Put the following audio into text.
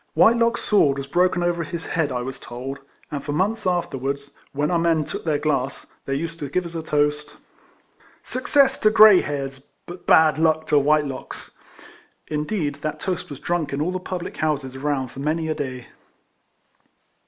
Whitelock's sword was broken over his head I was told ; and for months afterwards, when our men took their glass, they used to give as a toast " Success to grey hairs ^ but bad luck to White locks.'" Indeed that toast was drunk in all the public houses around for many a day.